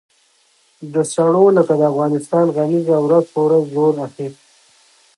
د سړو لکه د افغانستان غمیزه ورځ په ورځ زور اخیست.